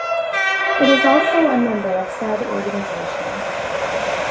It is also a member of said organization.